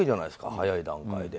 早い段階で。